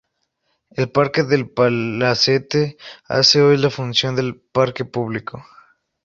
El parque del palacete hace hoy la función de parque público.